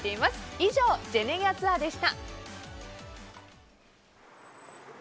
以上、ジェネギャツアーでした。